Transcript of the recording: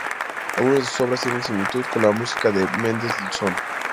Algunas de sus obras tienen similitud con la música de Mendelssohn.